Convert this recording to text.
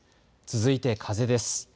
続いて風です。